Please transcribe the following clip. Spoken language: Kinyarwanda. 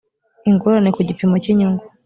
ingorane ku gipimo cy inyungu